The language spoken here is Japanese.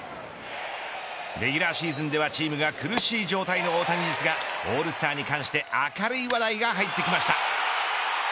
レギュラーシーズンではチームが苦しい状況の大谷ですがオールスターに関して明るい話題が入ってきました。